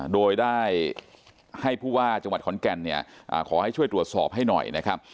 โดยได้ให้ผู้ว่าจังหวัดขอนแก่นขอให้ช่วยตรวจสอบให้หน่อย